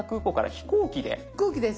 飛行機です。